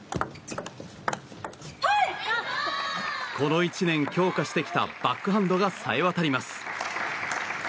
この１年強化してきたバックハンドがさえ渡ります。